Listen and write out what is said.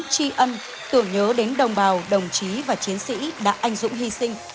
chi ân tưởng nhớ đến đồng bào đồng chí và chiến sĩ đã anh dũng hy sinh